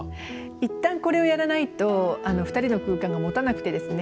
一旦これをやらないと２人の空間がもたなくてですね